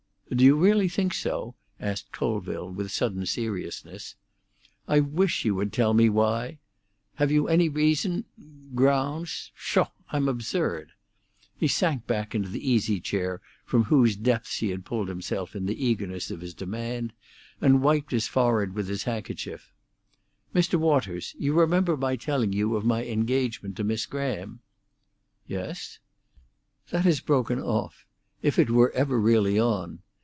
"Do you really think so?" asked Colville, with sudden seriousness. "I wish you would tell me why. Have you any reason—grounds? Pshaw! I'm absurd!" He sank back into the easy chair from whose depths he had pulled himself in the eagerness of his demand, and wiped his forehead with his handkerchief. "Mr. Waters, you remember my telling you of my engagement to Miss Graham?" "Yes." "That is broken off—if it were ever really on.